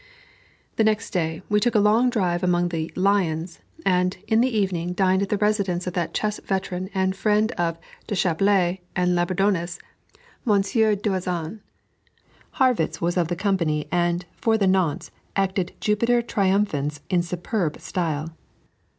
The next day we took a long drive among the "lions," and, in the evening, dined at the residence of that chess veteran and friend of Deschappelles and Labourdonnais, Monsieur Doazan. Harrwitz was of the company, and, for the nonce, acted Jupiter Triumphans in superb style.